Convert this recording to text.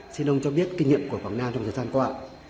xin ông cho biết kinh nghiệm của quảng nam trong thời gian qua